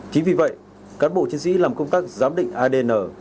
chính vì vậy cán bộ chiến sĩ làm công tác giám định adn